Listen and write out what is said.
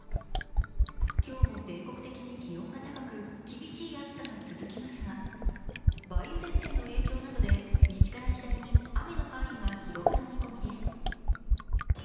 今日も全国的に気温が高く厳しい暑さが続きますが梅雨前線の影響などで西から次第に雨の範囲が広がる見込みです。